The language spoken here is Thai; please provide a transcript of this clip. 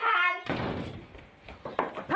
รู้ปะ